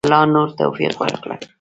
الله نور توفیق ورکړه.